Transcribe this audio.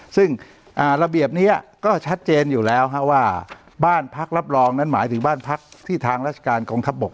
ซึ่งระเบียบนี้ก็ชัดเจนอยู่แล้วว่าบ้านพักรับรองนั้นหมายถึงบ้านพักที่ทางราชการกองทัพบก